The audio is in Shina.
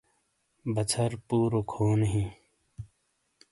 باسر پورو کھونی ہئے